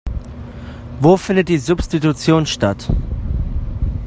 Wo findet die Substitution statt?